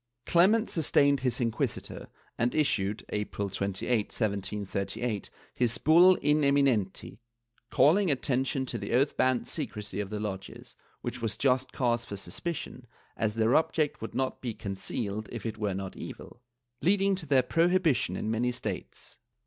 ^ Clement sustained his inquisitor and issued, April 28, 1738, his ]3ull In eyninenti, calling attention to the oath bomid secrecy of the lodges, which was just cause for suspicion, as their object would not be concealed if it were not evil, leading to their prohibition in many states.